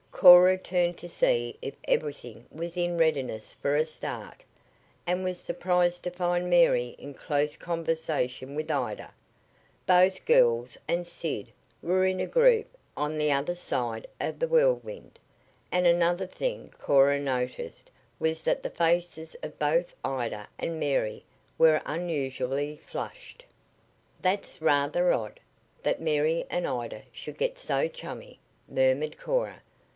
Cora turned to see if everything was in readiness for a start, and was surprised to find Mary in close conversation with Ida. Both girls and Sid were in a group an the other side of the Whirlwind. And another thing Cora noticed was that the faces of both Ida and Mary were unusually flushed. "That's rather odd that Mary and Ida should get so chummy," murmured Cora.